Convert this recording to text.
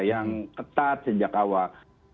yang ketat sejak awal